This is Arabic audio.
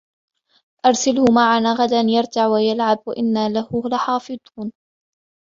أَرْسِلْهُ مَعَنَا غَدًا يَرْتَعْ وَيَلْعَبْ وَإِنَّا لَهُ لَحَافِظُونَ